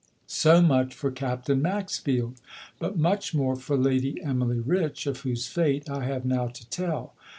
So much for Captain Maxfield! But much more for Lady Emily Rich, of whose fate I have now to tell.